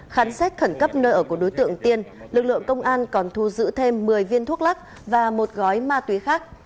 khán xét khẩn cấp nợ của đối tượng tiên lực lượng công an còn thu giữ thêm một mươi viên thuốc lắc và một gói ma túy khác